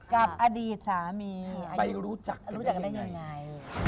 กับอดีตสามีไปรู้จักรู้จักได้ยังไง